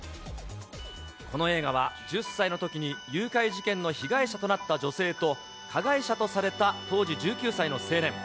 この映画は、１０歳のときに誘拐事件の被害者となった女性と、加害者とされた当時１９歳の青年。